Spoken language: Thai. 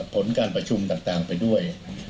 ผลการประชุมต่างไปด้วย